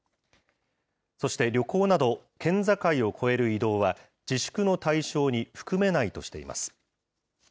そして、旅行など、県境を越える移動は、自粛の対象に含めないとしています。